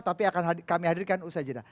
tapi akan kami hadirkan usai jeda